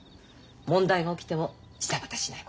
問題が起きてもジタバタしないこと。